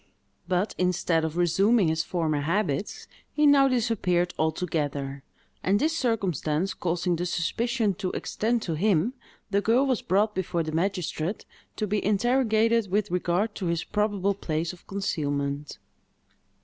But, instead of resuming his former habits, he now disappeared altogether; and this circumstance causing the suspicion to extend to him, the girl was brought before the magistrate to be interrogated with regard to his probable place of concealment.